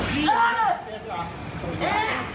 อ๋อดิสิ